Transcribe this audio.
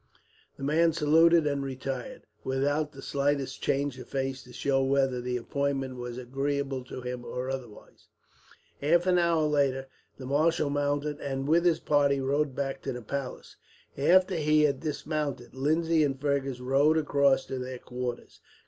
The man saluted and retired, without the slightest change of face to show whether the appointment was agreeable to him, or otherwise. Half an hour later the marshal mounted and, with his party, rode back to the palace. After he had dismounted, Lindsay and Fergus rode across to their quarters.